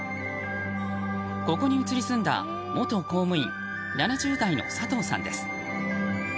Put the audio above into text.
ここに移り住んだ元公務員、７０代の佐藤さんです。